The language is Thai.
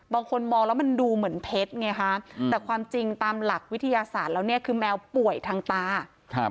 บางคนมองแล้วมันดูเหมือนเพชรไงฮะแต่ความจริงตามหลักวิทยาศาสตร์แล้วเนี่ยคือแมวป่วยทางตาครับ